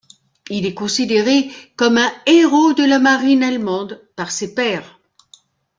Il est considéré comme un héros de la marine allemande par ses pairs.